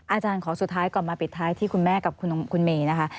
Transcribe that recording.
อาจารย์ขอสุดท้ายก่อนมาปิดท้ายที่คุณแม่กับคุณเมย์นะคะ